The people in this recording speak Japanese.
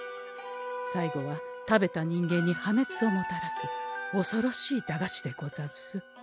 最後は食べた人間に破滅をもたらすおそろしい駄菓子でござんす。